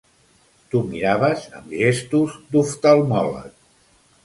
T'ho miraves amb gestos d'oftalmòleg.